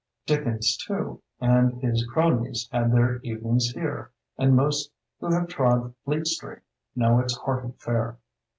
Dickens, too, and his cronies had their evenings here, and most who have trod Fleet Street know its hearty fare.